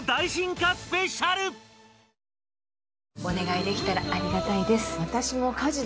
お願いできたらありがたいです。